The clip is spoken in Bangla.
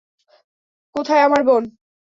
কোথায় আমার বোন?